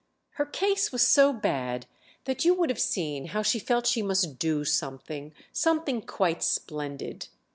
Her case was so bad that you would have seen how she felt she must do something—something quite splendid.